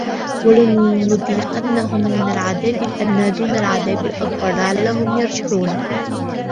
وَلَنُذيقَنَّهُم مِنَ العَذابِ الأَدنى دونَ العَذابِ الأَكبَرِ لَعَلَّهُم يَرجِعونَ